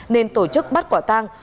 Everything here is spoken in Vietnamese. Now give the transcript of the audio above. nên tổ chức bắt quả tang